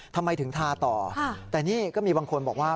ทำไมถึงทาต่อแต่นี่ก็มีบางคนบอกว่า